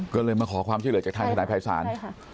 ก็เลยมาขอความช่วยเหลือจากทางทนายภัยศาล